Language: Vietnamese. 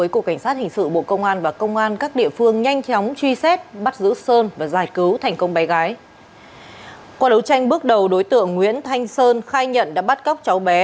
qua đấu tranh bước đầu đối tượng nguyễn thanh sơn khai nhận đã bắt cóc cháu bé